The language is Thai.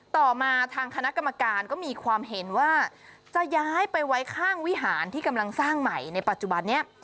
ต่อมาทางคณะกรรมการก็มีความเห็นว่าจะย้ายไปไว้ข้างวิหารที่กำลังสร้างใหม่ในปัจจุบันนี้